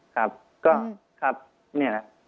ครับก็ครับนี่แหละ